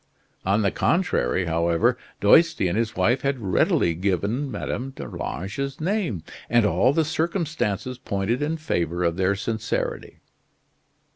On the contrary, however, Doisty and his wife had readily given Madame d'Arlange's name, and all the circumstances pointed in favor of their sincerity.